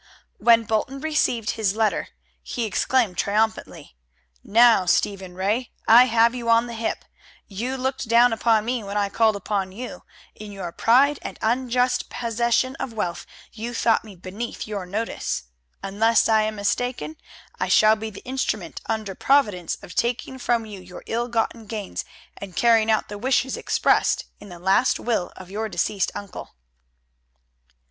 When Bolton received this letter, he exclaimed triumphantly: "Now, Stephen Ray, I have you on the hip. You looked down upon me when I called upon you. In your pride, and your unjust possession of wealth, you thought me beneath your notice. Unless I am mistaken, I shall be the instrument under Providence of taking from you your ill gotten gains, and carrying out the wishes expressed in the last will of your deceased uncle."